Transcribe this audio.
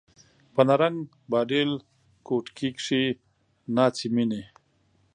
په نرنګ، باډېل کوټکي کښي ناڅي میني